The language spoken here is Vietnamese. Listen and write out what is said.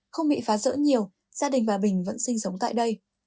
không bị phá rỡ nhiều gia đình bà bình vẫn sinh sống tại đây